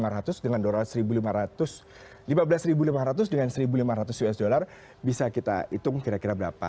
rp satu lima ratus dengan rp satu lima ratus usd bisa kita hitung kira kira berapa